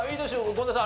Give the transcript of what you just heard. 権田さん